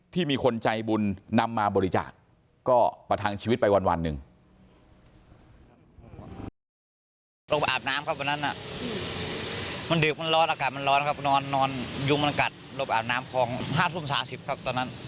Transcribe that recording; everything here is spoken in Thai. รอบอาบน้ำครับวันนั้นมันดึกมันร้อนอากาศมันร้อนครับยุ่งมันกัดรอบอาบน้ำคลอง๕ศูนย์๓๐ครับตอนนั้น